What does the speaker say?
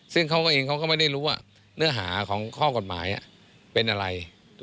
ซึ่งเขาก็เองเขาก็ไม่ได้รู้ว่าเนื้อหาของข้อกฎหมายเป็นอะไร